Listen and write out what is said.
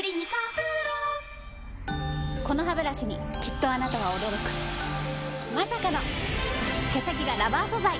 このハブラシにきっとあなたは驚くまさかの毛先がラバー素材！